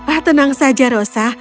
ah tenang saja rosa